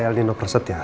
saya aldino perset ya